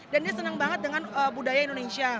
dan dia senang banget dengan budaya indonesia